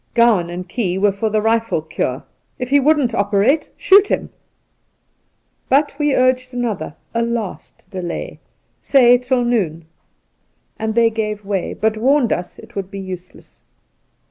Gowan and Key were for the rifle cure. If he wouldn't operate, shoot him ! But we urged another — a last — delay, say tiQ noon ; and they gave way, but warned us it would be useless.